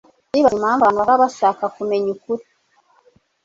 ndibaza impamvu abantu bahora bashaka kumenya ukuri